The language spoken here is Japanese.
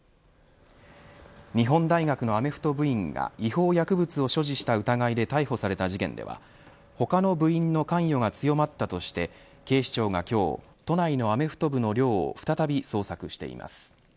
日本大学のアメフト部員が違法薬物を所持した疑いで逮捕された事件では他の部員の関与が強まったとして警視庁が今日、都内のアメフト部の寮を再び捜索しています。